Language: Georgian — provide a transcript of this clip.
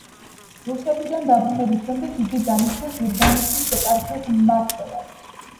რუსეთიდან დაბრუნების შემდეგ იგი დანიშნეს ურბნისის ეპარქიის მმართველად.